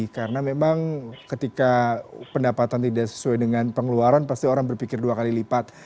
karena memang ketika pendapatan tidak sesuai dengan pengeluaran pasti orang berpikir dua kali lipat